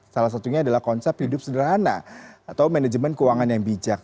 salah satunya adalah konsep hidup sederhana atau manajemen keuangan yang bijak